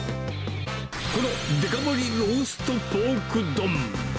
このデカ盛りローストポーク丼。